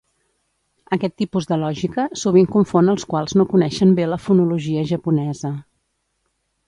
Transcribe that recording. Aquest tipus de lògica sovint confon als quals no coneixen bé la fonologia japonesa.